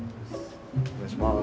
お願いします。